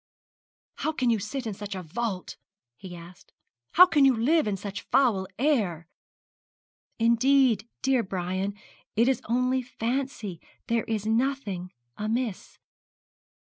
'How can you sit in such a vault?' he asked; 'how can you live in such foul air?' 'Indeed, dear Brian, it is only fancy. There is nothing amiss.'